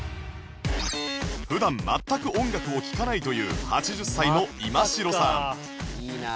普段全く音楽を聴かないという８０歳のイマシロさん